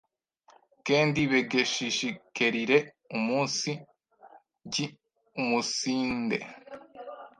kendi begeshishikerire umunsigiumunsinde